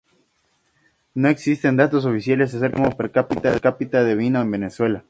No existen datos oficiales acerca del consumo per cápita de vino en Venezuela.